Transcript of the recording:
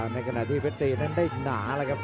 ในขณะที่เพชรตีนั้นได้หนาแล้วครับ